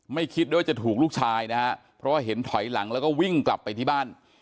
คิดด้วยว่าจะถูกลูกชายนะฮะเพราะว่าเห็นถอยหลังแล้วก็วิ่งกลับไปที่บ้าน